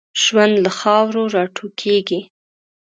ژوند له خاورو را ټوکېږي.